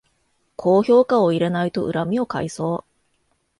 高評価を入れないと恨みを買いそう